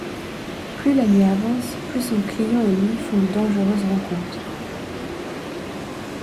Plus la nuit avance, plus son client et lui font de dangereuses rencontres...